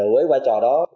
với vai trò đó